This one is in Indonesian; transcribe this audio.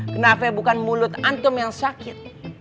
kenapa bukan mulut antum yang sakit